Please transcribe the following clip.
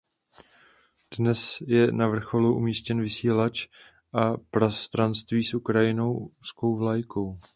Dnes je na vrcholu umístěn vysílač a prostranství s ukrajinskou vlajkou.